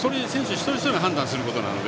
一人一人が判断することなので。